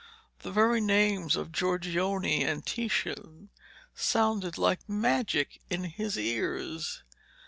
The very names of Giorgione and Titian sounded like magic in his ears.